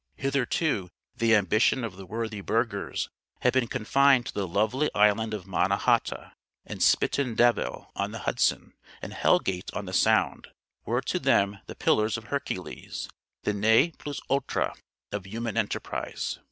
Hitherto the ambition of the worthy burghers had been confined to the lovely island of Manna hata; and Spiten Devil on the Hudson, and Hell gate on the Sound, were to them the pillars of Hercules, the ne plus ultra of human enterprise.